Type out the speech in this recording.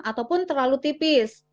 ataupun terlalu tipis